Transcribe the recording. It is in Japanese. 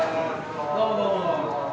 どうもどうも。